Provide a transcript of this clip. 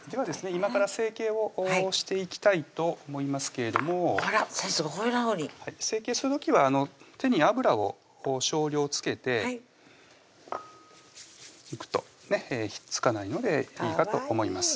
今から成形をしていきたいと思いますけれども成形する時は手に油を少量付けていくとひっつかないのでいいと思いますかわいいですね